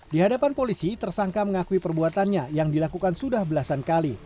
di hadapan polisi tersangka mengakui perbuatannya yang dilakukan sudah belasan kali